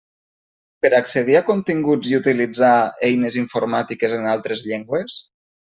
Per accedir a continguts i utilitzar eines informàtiques en altres llengües?